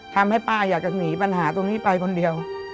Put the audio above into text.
ทำให้พ่ออยากจะหนีปัญหาตัวนี้ไปคนเดียว